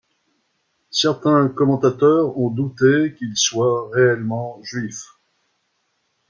Certains commentateurs ont douté qu'il soit réellement juif.